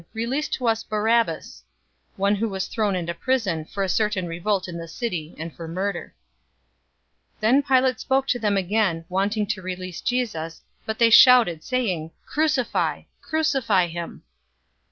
Release to us Barabbas!" 023:019 one who was thrown into prison for a certain revolt in the city, and for murder. 023:020 Then Pilate spoke to them again, wanting to release Jesus, 023:021 but they shouted, saying, "Crucify! Crucify him!"